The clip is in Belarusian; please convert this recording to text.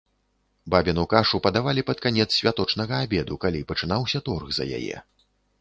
Бабіну кашу падавалі пад канец святочнага абеду, калі пачынаўся торг за яе.